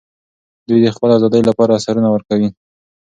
دوی د خپلې ازادۍ لپاره سرونه ورکوي.